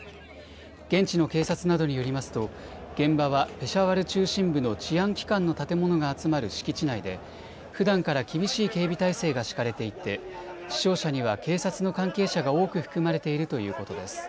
現地の警察などによりますと現場はペシャワル中心部の治安機関の建物が集まる敷地内でふだんから厳しい警備体制が敷かれていて死傷者には警察の関係者が多く含まれているということです。